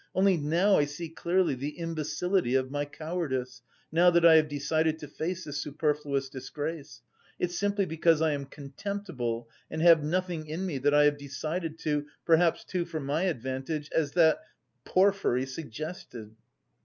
Only now I see clearly the imbecility of my cowardice, now that I have decided to face this superfluous disgrace. It's simply because I am contemptible and have nothing in me that I have decided to, perhaps too for my advantage, as that... Porfiry... suggested!"